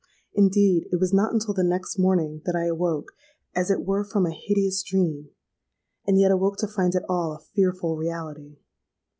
Indeed, it was not until the next morning that I awoke as it were from a hideous dream,—and yet awoke to find it all a fearful reality.